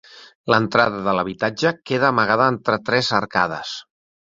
L'entrada de l'habitatge queda amagada entre tres arcades.